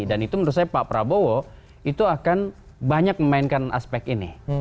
dan itu menurut saya pak prabowo itu akan banyak memainkan aspek ini